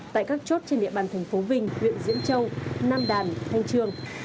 tại các chốt trên địa bàn thành phố vinh huyện diễm châu nam đàn hàng trương